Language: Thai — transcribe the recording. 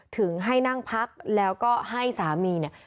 ถึงให้นั่งพักแล้วก็ให้สามีเนี่ย